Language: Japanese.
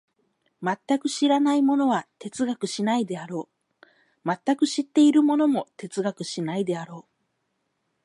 全く知らない者は哲学しないであろう、全く知っている者も哲学しないであろう。